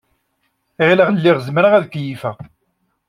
Ɣileɣ lliɣ zemreɣ ad keyyfeɣ.